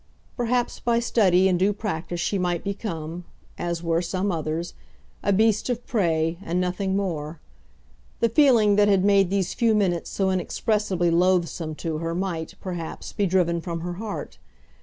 Perhaps by study and due practice she might become, as were some others, a beast of prey, and nothing more. The feeling that had made these few minutes so inexpressibly loathsome to her might, perhaps, be driven from her heart.